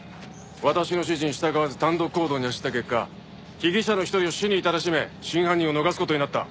私の指示に従わず単独行動に走った結果被疑者の一人を死に至らしめ真犯人を逃す事になった。